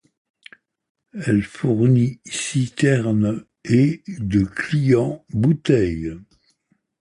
Elle fournit citerne et de clients bouteille.